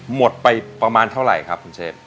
หมดไปประมาณเท่าไหร่ครับคุณเชฟ